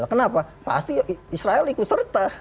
kenapa pasti israel ikut serta